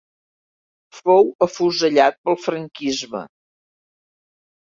Fou afusellat pel franquisme.